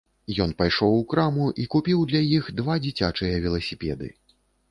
Ён пайшоў у краму і купіў для іх два дзіцячыя веласіпеды.